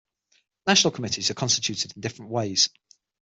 National committees are constituted in different ways.